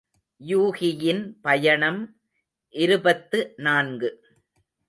யூகியின் பயணம் இருபத்து நான்கு.